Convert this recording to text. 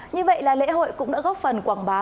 như vậy là lễ hội cũng đã góp phần quảng bá